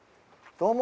どうも。